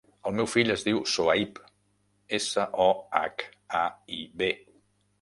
El meu fill es diu Sohaib: essa, o, hac, a, i, be.